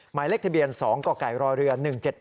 หมายเลขทะเบียน๒กกรเรือ๑๗๗